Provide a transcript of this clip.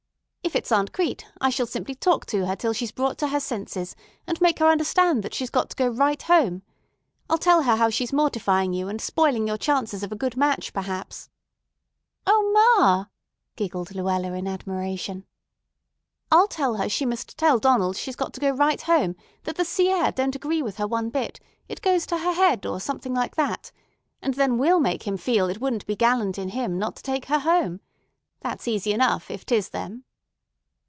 If it's Aunt Crete, I shall simply talk to her till she is brought to her senses, and make her understand that she's got to go right home. I'll tell her how she's mortifying you, and spoiling your chances of a good match, perhaps——" "O ma!" giggled Luella in admiration. "I'll tell her she must tell Donald she's got to go right home, that the sea air don't agree with her one bit—it goes to her head or something like that; and then we'll make him feel it wouldn't be gallant in him not to take her home. That's easy enough, if 'tis them."